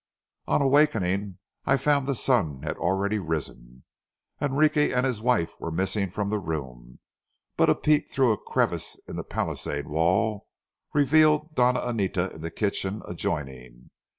On awakening, I found the sun had already risen. Enrique and his wife were missing from the room, but a peep through a crevice in the palisade wall revealed Doña Anita in the kitchen adjoining.